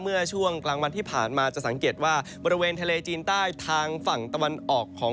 เมื่อช่วงกลางวันที่ผ่านมาจะสังเกตว่าบริเวณทะเลจีนใต้ทางฝั่งตะวันออกของ